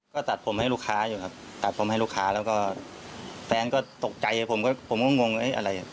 ก็ตัดผมให้ลูกค้าอยู่ครับตัดผมให้ลูกค้าแล้วก็แฟนก็ตกใจผมก็งงอะไร